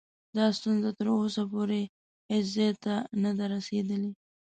دا ستونزه تر اوسه پورې هیڅ ځای ته نه ده رسېدلې.